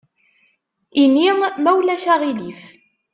Ini: « ma ulac aɣilif ».